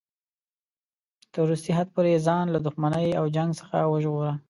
تر وروستي حد پورې ځان له دښمنۍ او جنګ څخه ژغوره.